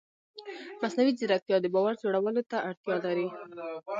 مصنوعي ځیرکتیا د باور جوړولو ته اړتیا لري.